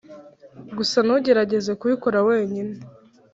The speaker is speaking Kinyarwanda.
gusa ntugerageze kubikora wenyine.